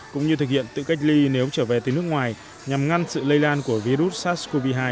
cũng như thực hiện tự cách ly nếu trở về từ nước ngoài nhằm ngăn sự lây lan của virus sars cov hai